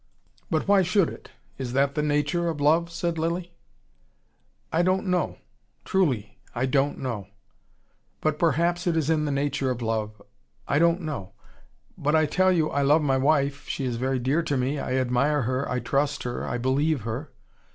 "But why should it? Is that the nature of love?" said Lilly. "I don't know. Truly. I don't know. But perhaps it is in the nature of love I don't know. But I tell you, I love my wife she is very dear to me. I admire her, I trust her, I believe her.